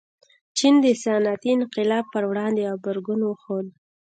چین د صنعتي انقلاب پر وړاندې غبرګون وښود.